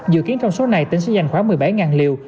dự kiến trong số này tỉnh sẽ dành khoảng một mươi bảy liều